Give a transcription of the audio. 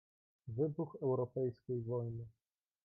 "Wybuch europejskiej wojny."